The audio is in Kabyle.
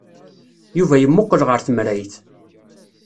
Yuba yemmuqqel ɣer temrayt.